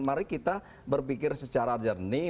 mari kita berpikir secara jernih